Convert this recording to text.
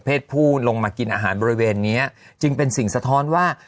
ผู้ลงมากินอาหารบริเวณเนี้ยจึงเป็นสิ่งสะท้อนว่า